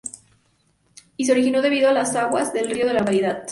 Y se originó debido a las aguas del río de la localidad.